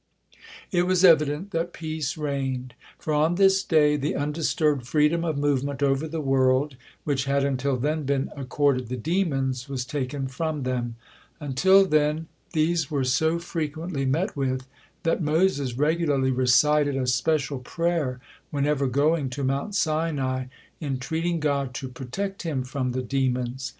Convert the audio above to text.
It was evident that peace reigned, for on this day the undisturbed freedom of movement over the world, which had until then been accorded the demons, was taken from them. Until then these were so frequently met with, that Moses regularly recited a special prayer whenever going to Mount Sinai, entreating God to protect him from the demons.